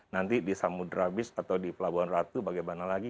nanti di samudera bis atau di pelabuhan ratu bagaimana lagi